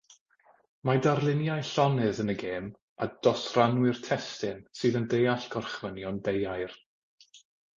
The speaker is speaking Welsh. Mae darluniau llonydd yn y gêm a dosrannwr testun sydd yn deall gorchmynion deuair.